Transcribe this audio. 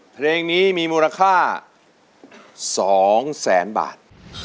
เพลงนี้มีมูลค่า๒แสนบาท